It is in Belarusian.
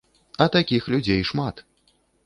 А такіх людзей шмат.